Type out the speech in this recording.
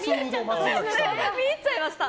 見入っちゃいました。